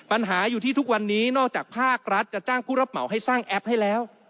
ปัญหาอยู่ที่ทุกวันนี้นอกจากภาครัฐจะจ้างผู้รับเหมาให้สร้างแอปให้แล้ว